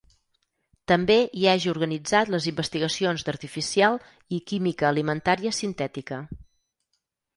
També hi hagi organitzat les investigacions d'artificial i química alimentària sintètica.